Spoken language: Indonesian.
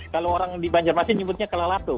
kalau orang di banjarmasin nyebutnya kalalatu